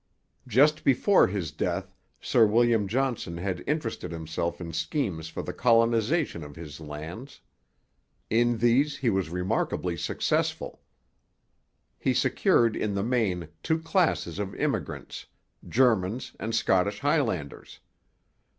Just before his death Sir William Johnson had interested himself in schemes for the colonization of his lands. In these he was remarkably successful. He secured in the main two classes of immigrants, Germans and Scottish Highlanders.